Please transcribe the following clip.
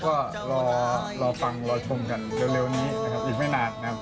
ก็รอฟังรอชมกันเร็วนี้นะครับอีกไม่นานนะครับ